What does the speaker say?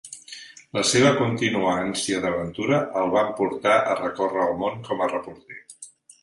La seva contínua ànsia d'aventura el van portar a recórrer el món com a reporter.